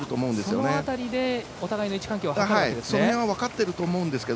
その辺りでお互いの位置関係をはかってるんですね。